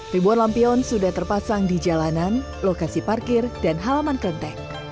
ribuan lampion sudah terpasang di jalanan lokasi parkir dan halaman klenteng